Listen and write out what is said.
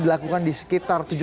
dilakukan di sekitar